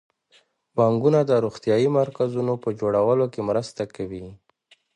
بانکونه د روغتیايي مرکزونو په جوړولو کې مرسته کوي.